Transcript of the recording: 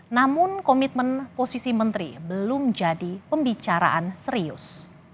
namun komitmen posisi menteri belum jadi pembicaraan serius